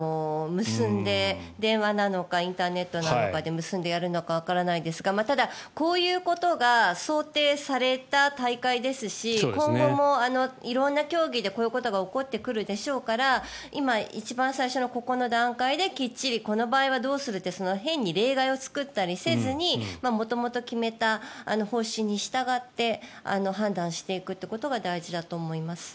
それがコーチと監督を何かで結んで電話なのかインターネットなのかで結んでやるのかわからないですがただ、こういうことが想定された大会ですし今後も色んな競技でこういうことが起こってくるでしょうから今、一番最初のここの段階できっちりこの場合はどうするって変に例外を作ったりせずに元々決めた方針に従って判断していくということが大事だと思います。